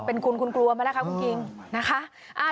เป็นคุณคุณกลัวไหมล่ะคะคุณคิงนะคะ